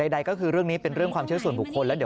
ใดก็คือเรื่องนี้เป็นเรื่องความเชื่อส่วนบุคคลแล้วเดี๋ยว